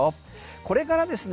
これからですね